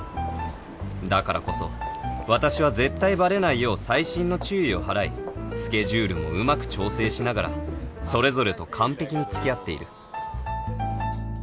だからこそ私は絶対バレないよう細心の注意を払いスケジュールもうまく調整しながらそれぞれと完璧に付き合っている